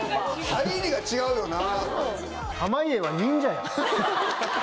・入りが違うよな。